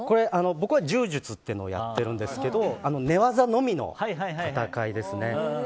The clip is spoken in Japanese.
僕は柔術っていうのをやってるんですけど、寝技のみの戦いですね。